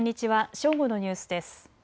正午のニュースです。